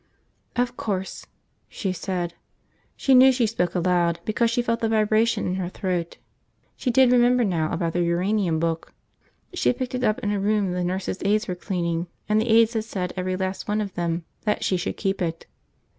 "Of course," she said. She knew she spoke aloud because she felt the vibration in her throat. She did remember now about the uranium book. She had picked it up in a room the nurses' aides were cleaning and the aides had said, every last one of them, that she should keep it.